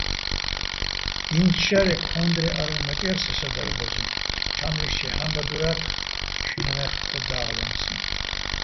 დი́ნჩო̆ შარე, ქო́ნდრეჼ არომატ ჲარ სე სადარბაზო, ჩა́მლიშ ჩაჲ ჰა́მბადორა́თხ შილღეჼ ხკოდა́ღლო́მციჼ.